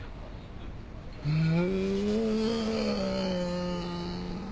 うん。